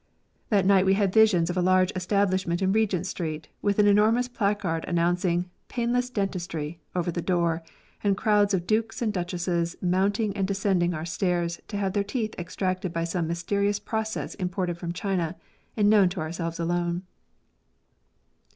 That night we had visions of a large establishment in Regent Street, with an enormous placard announc ing " Painless Dentistry " over the door, and crowds of dukes and duchesses mounting and descending our stairs to have their teeth extracted by some mysterious process imported from China, and known to ourselves alone.